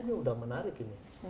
ini udah menarik ini